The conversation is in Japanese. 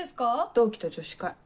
同期と女子会。